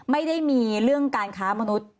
ไม่ได้มีเรื่องการค้ามนุษย์